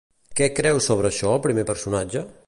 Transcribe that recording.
Què creu sobre això el primer personatge?